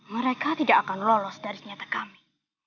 mereka tidak akan lolos dari senjata kami